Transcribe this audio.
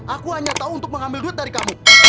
aku hanya tahu untuk mengambil duit dari kamu